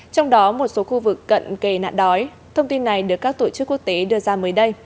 trong đó một số khu vực cận kề nạn đói thông tin này được các tổ chức quốc tế đưa ra mới đây